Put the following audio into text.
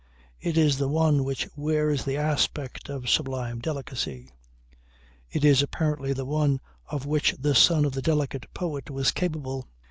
It is the one which wears the aspect of sublime delicacy. It is apparently the one of which the son of the delicate poet was capable.